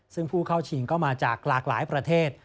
ซึ่งผู้เข้าชิงก็มาจากหลากหลายประเทศ